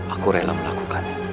aku rela melakukan